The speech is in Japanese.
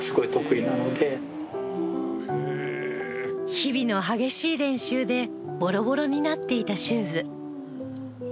日々の激しい練習でボロボロになっていたシューズ。